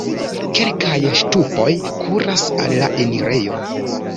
Kelkaj ŝtupoj kuras al la enirejo.